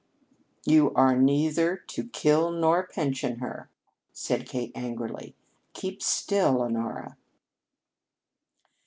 "You are neither to kill nor pension her," said Kate angrily. "Keep still, Honora."